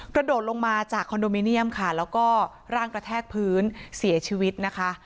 กระโดดลงมาจากคอนโดมิเนียมค่ะแล้วก็ร่างกระแทกพื้นเสียชีวิตนะคะ